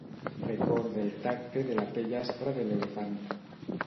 Recorde el tacte de la pell aspra de l'elefant.